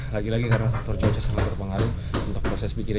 lagi lagi karena terjuang sesang agak terpengaruh untuk proses bikinnya